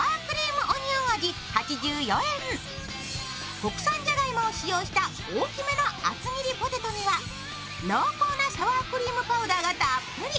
国産じゃがいもを使用した大きめの厚切りポテトには濃厚なサワークリームパウダーがたっぷり。